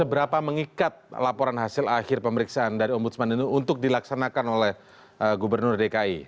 seberapa mengikat laporan hasil akhir pemeriksaan dari ombudsman ini untuk dilaksanakan oleh gubernur dki